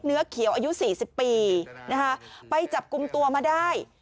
เขียวอายุสี่สิบปีนะคะไปจับกลุ่มตัวมาได้